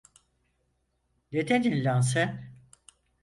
Ne dedin lan sen?